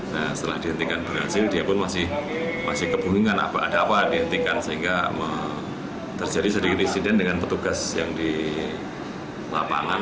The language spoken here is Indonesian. nah setelah dihentikan berhasil dia pun masih kebingungan ada apa dihentikan sehingga terjadi sedikit insiden dengan petugas yang di lapangan